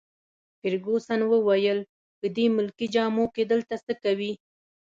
فرګوسن وویل: په دې ملکي جامو کي دلته څه کوي؟